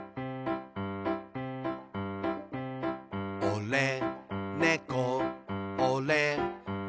「おれ、ねこおれ、ねこ」